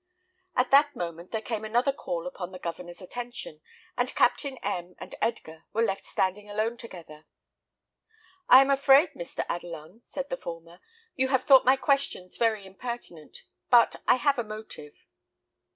At that moment there came another call upon the Governor's attention, and Captain M and Edgar were left standing alone together. "I am afraid, Mr. Adelon," said the former; "you have thought my questions very impertinent, but I had a motive."